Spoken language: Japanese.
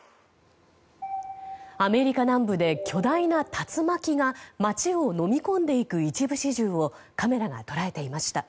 アメリカ南部で巨大な竜巻が町をのみ込んでいく一部始終をカメラが捉えていました。